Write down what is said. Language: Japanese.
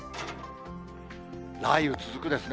雷雨続くですね。